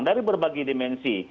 dari berbagai dimensi